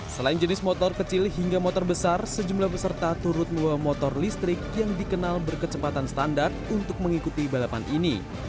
selain jenis motor kecil hingga motor besar sejumlah peserta turut membawa motor listrik yang dikenal berkecepatan standar untuk mengikuti balapan ini